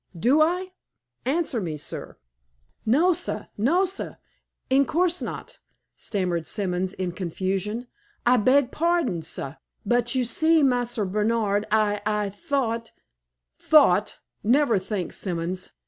Do I? Answer me, sir!" "No, sah no, sah; in course not," stammered Simons, in confusion. "I beg pardon, sah; but, you see, Marse Bernard, I I thought " "Thought! Never think, Simons.